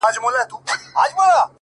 اچيل یې ژاړي!! مړ یې پېزوان دی!!